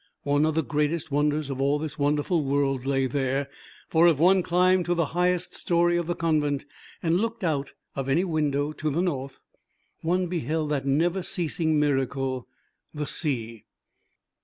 one of the greatest wonders of all this wonderful world lay there; for if one climbed to the highest story of the convent and looked out of any window to the north, one beheld that never ceasing miracle the sea!